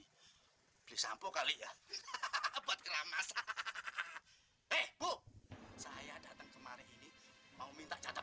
beli sampo kali ya hahaha buat keramas hahaha eh bu saya datang kemarin ini mau minta catat